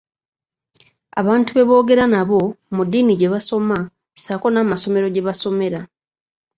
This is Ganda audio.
Abantu be boogera nabo, mu ddiini gye basoma, ssaako n'amasomero gye basomera.